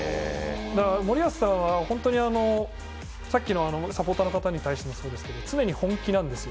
森保さんは本当にさっきのサポーターの方に対してもそうですけど常に本気なんですよ。